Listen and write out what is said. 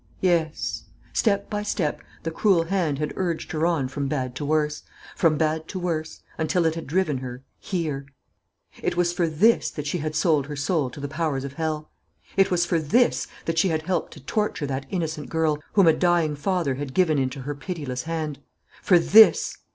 Yes; step by step the cruel hand had urged her on from bad to worse; from bad to worse; until it had driven her here. It was for this that she had sold her soul to the powers of hell. It was for this that she had helped to torture that innocent girl whom a dying father had given into her pitiless hand. For this!